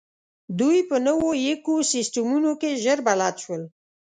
دوی په نوو ایکوسېسټمونو کې ژر بلد شول.